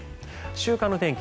週間の天気